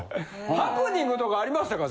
ハプニングとかありましたか？